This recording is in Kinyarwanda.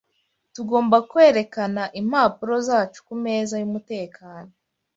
Tugomba kwerekana impapuro zacu kumeza yumutekano.